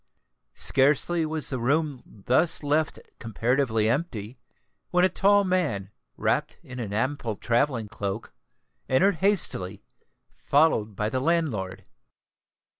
Scarcely was the room thus left comparatively empty, when a tall man, wrapped in an ample travelling cloak, entered hastily, followed by the landlord.